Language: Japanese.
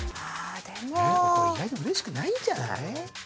これ意外とうれしくないんじゃない？